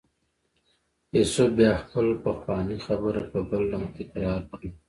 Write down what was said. یوسف بیا خپله پخوانۍ خبره په بل رنګ تکرار کړه.